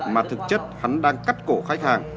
mà thực chất hắn đang cắt cổ khách hàng